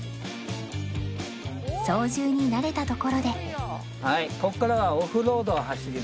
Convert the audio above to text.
操縦に慣れたところで